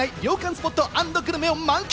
スポット＆グルメを満喫！